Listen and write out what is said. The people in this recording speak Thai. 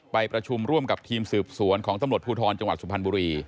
ไปประชุมร่วมกับทีมสืบสวนของตำรวจภูทรจังหวัดสุพรรณบุรี